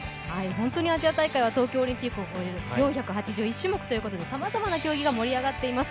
本当にアジア大会は東京オリンピックを超える４８１種目ということでさまざまな競技が盛り上がっています。